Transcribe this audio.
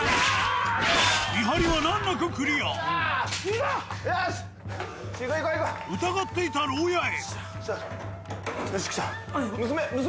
見張りは難なくクリア疑っていた牢屋へ娘